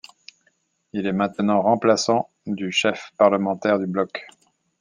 Il est maintenant remplaçant du chef parlementaire du bloc.